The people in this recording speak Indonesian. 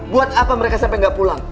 buat apa mereka sampai nggak pulang